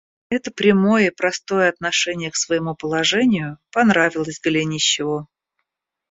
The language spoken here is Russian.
Это прямое и простое отношение к своему положению понравилось Голенищеву.